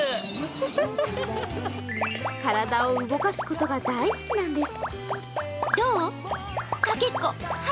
体を動かすことが大好きなんです。